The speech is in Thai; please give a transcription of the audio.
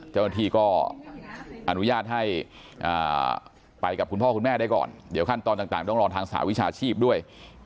เจ้าหน้าที่ก็อนุญาตให้ไปกับคุณพ่อคุณแม่ได้ก่อนเดี๋ยวขั้นตอนต่างต้องรอทางสหวิชาชีพด้วย